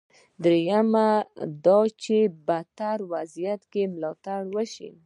درېیم دا چې په بدترین وضعیت کې ملاتړ وشي.